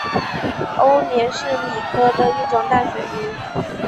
欧鲢是鲤科的一种淡水鱼。